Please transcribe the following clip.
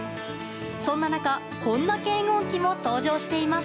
そんな中こんな検温器も登場しています。